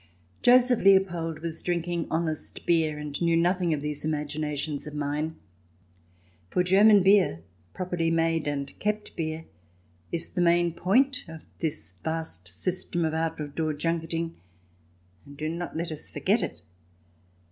Joseph Leopold was drinking honest beer, and knew nothing of these imaginations of mine. For German beer — properly made and kept beer — is the main point of all this vast system of out of door junketing, and do not let us forget it.